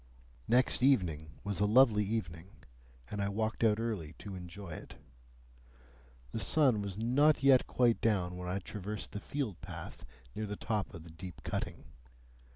Next evening was a lovely evening, and I walked out early to enjoy it. The sun was not yet quite down when I traversed the field path near the top of the deep cutting.